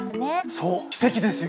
そう奇跡ですよ。